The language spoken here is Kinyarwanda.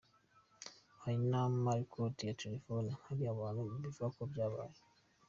Hari n’amarecords ya telefoni ahari abantu babivuga ko byabaye.